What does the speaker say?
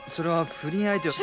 不倫相手！？